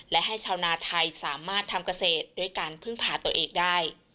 และให้ชาวนาไทยสามารถทำเกษตรด้วยการพึ่งพาตัวเองได้